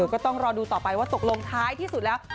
ก็ต้องรอดูต่อไปว่าตกลงท้ายที่สุดแล้ว